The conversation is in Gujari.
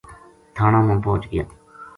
تھانہ ما پوہچ گیا۔